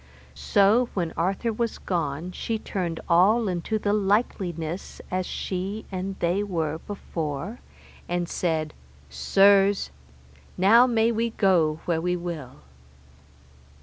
So when Arthur was gone she turned all into the likeliness as she and they were before, and said, Sirs, now may we go where we will.